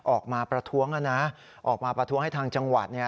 ออกมาประท้วงออกมาประท้วงให้ทางจังหวัดเนี่ย